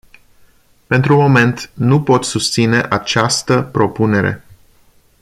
Pentru moment, nu pot susține această propunere.